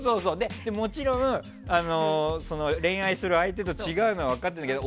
もちろん恋愛する人と違うのは分かるけど。